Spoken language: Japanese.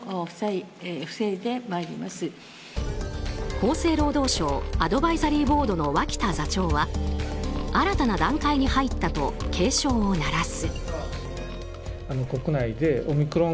厚生労働省アドバイザリーボードの脇田座長は、新たな段階に入ったと警鐘を鳴らす。